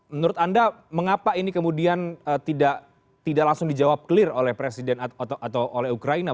menurut anda mengapa ini kemudian tidak langsung dijawab clear oleh presiden atau oleh ukraina